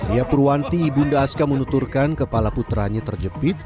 ia purwanti bunda aska menunturkan kepala putranya terjepit